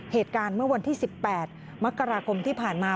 เหตุการณ์เมื่อวันที่๑๘มกราคมที่ผ่านมา